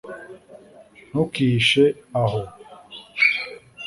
ntukihishe aho